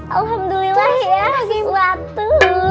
alhamdulillah saya ada sesuatu